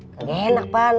gak enak pan